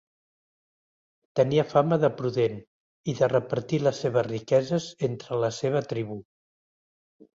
Tenia fama de prudent i de repartir les seves riqueses entre la seva tribu.